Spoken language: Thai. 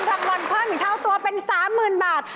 รักเงินรับหวานเพิ่มอีกเท่าตัวเป็น๓๐๐๐๐บาท